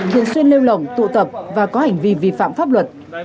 thiên xuyên lêu lỏng tụ tập và có hành vi vi phạm pháp luật